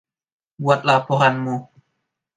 Buat laporanmu.